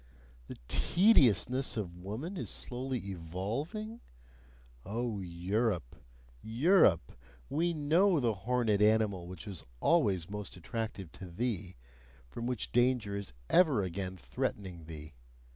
The tediousness of woman is slowly evolving? Oh Europe! Europe! We know the horned animal which was always most attractive to thee, from which danger is ever again threatening thee!